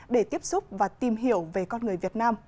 để tiếp xúc và tìm hiểu về con người việt nam